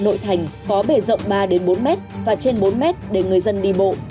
nội thành có bề rộng ba bốn m và trên bốn m để người dân đi bộ